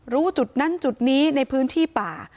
รู้จุดนั้นจุดนี้ในพื้นที่ป่า